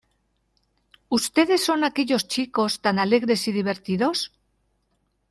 ¿Ustedes son aquellos chicos tan alegres y divertidos?